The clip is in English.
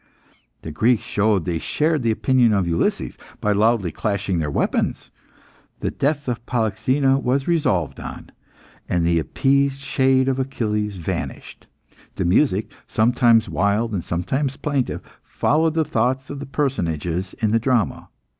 The Greeks showed they shared the opinion of Ulysses, by loudly clashing their weapons. The death of Polyxena was resolved on, and the appeased shade of Achilles vanished. The music sometimes wild and sometimes plaintive followed the thoughts of the personages in the drama.